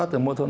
điện tập bảy